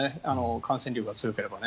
感染力が強ければね。